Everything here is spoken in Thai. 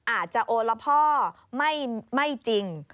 อาจจะโอละพ่อไม่จริง